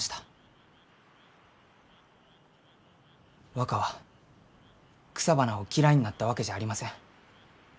若は草花を嫌いになったわけじゃありません。